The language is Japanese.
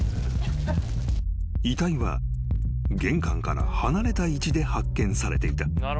［遺体は玄関から離れた位置で発見されていた］